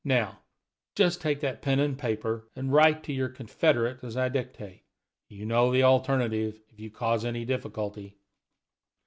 Now, just take that pen and paper, and write to your confederate as I dictate. You know the alternative if you cause any difficulty."